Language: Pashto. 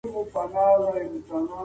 واک باید تل د قانون تابع وي.